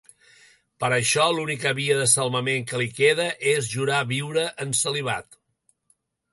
Per això, l'única via de salvament que li queda és jurar viure en celibat.